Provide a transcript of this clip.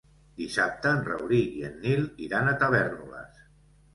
Dissabte en Rauric i en Nil iran a Tavèrnoles.